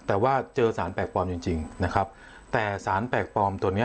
แต่ว่าเจอสารแปลกปลอมจริงจริงนะครับแต่สารแปลกปลอมตัวเนี้ย